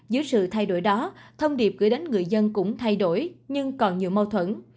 dưới sự thay đổi đó thông điệp gửi đến người dân cũng thay đổi nhưng còn nhiều mâu thuẫn